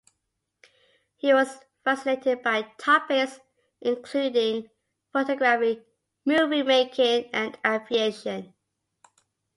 He was fascinated by topics including photography, movie-making, and aviation.